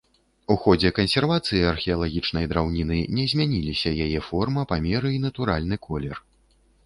У ходзе кансервацыі археалагічнай драўніны не змяніліся яе форма, памеры і натуральны колер.